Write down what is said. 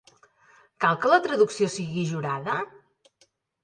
Cal que la traducció sigui jurada?